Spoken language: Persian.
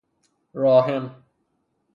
راحم